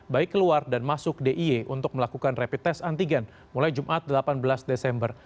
baik keluar dan masuk d i e untuk melakukan rapid test antigen mulai jumat delapan belas desember